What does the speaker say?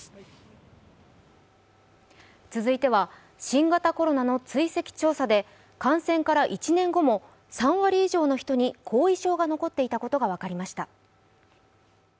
続いては新型コロナの追跡調査で感染から１年後も、３割以上の人に後遺症が残っていたことが分かりました。